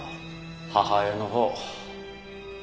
母親のほう。